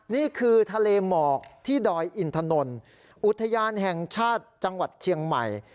นี่คือทะเลหมอกที่ดอยอินถนนอุทยานแห่งชาติจังหวัดเชียงใหม่